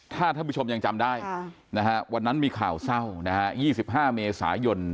ถ้าท่านผู้ชมยังจำได้วันนั้นมีข่าวเศร้า๒๕เมษายน